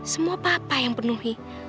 semua papa yang penuhi